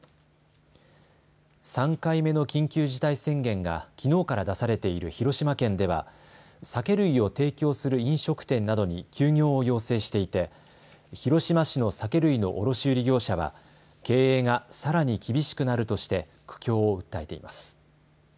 ３回目の緊急事態宣言がきのうから出されている広島県では酒類を提供する飲食店などに休業を要請していて広島市の酒類の卸売業者は経営がさらに厳しくなるとして苦境を訴えています。